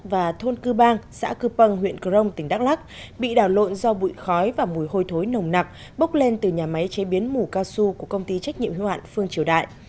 và thôn cư bang xã cư păng huyện crong tỉnh đắk lắc bị đào lộn do bụi khói và mùi hôi thối nồng nặng bốc lên từ nhà máy chế biến mù cao su của công ty trách nhiệm hoạn phương triều đại